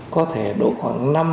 có thể đổ khoảng